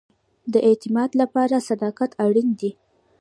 د اعتماد لپاره صداقت اړین دی